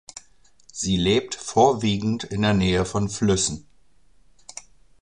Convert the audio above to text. Sie lebt vorwiegend in der Nähe von Flüssen.